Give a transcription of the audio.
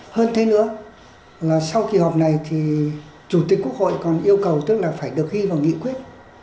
hơn thế nữa là sau kỳ họp này thì chủ tịch quốc hội còn yêu cầu tức là phải được ghi vào nghị quyết